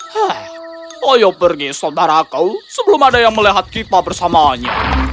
hah ayo pergi saudara kau sebelum ada yang melihat kipa bersamanya